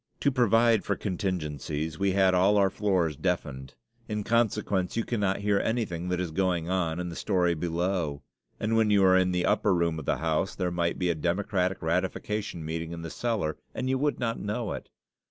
To provide for contingencies, we had all our floors deafened. In consequence, you cannot hear anything that is going on in the story below; and when you are in the upper room of the house there might be a democratic ratification meeting in the cellar and you would not know it.